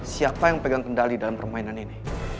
siapa yang pegang kendali dalam permainan ini